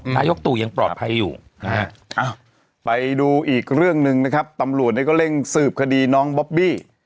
นายกตู่ยังปลอดภัยอยู่นะฮะไปดูอีกเรื่องหนึ่งนะครับตำรวจก็เร่งสืบคดีน้องบอบบี้